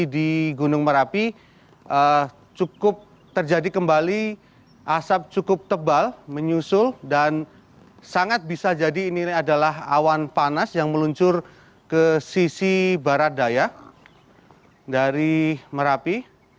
di gunung merapi cukup terjadi kembali asap cukup tebal menyusul dan sangat bisa jadi ini adalah awan panas yang meluncur ke sisi barat daya dari merapi